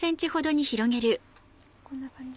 こんな感じ？